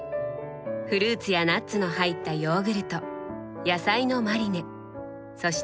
フルーツやナッツの入ったヨーグルト野菜のマリネそして